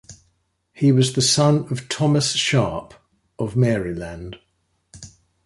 He was the son of Thomas Sharpe, of Maryland.